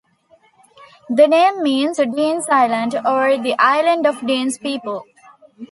The name means 'Dene's island' or 'the island of Dene's people'.